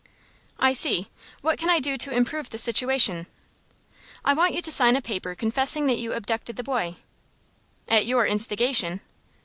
"I see. What can I do to improve the situation?" "I want you to sign a paper confessing that you abducted the boy " "At your instigation?"